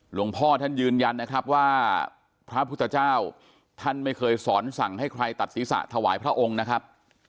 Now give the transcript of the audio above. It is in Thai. หลวงพ่อท่านยืนยันนะครับว่าพระพุทธเจ้าท่านไม่เคยสอนสั่งให้ใครตัดศีรษะถวายพระองค์นะครับ